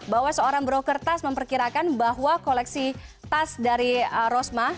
bahwa seorang brokertas memperkirakan bahwa koleksi tas dari rosmah